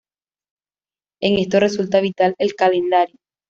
En esto resulta vital el calendario.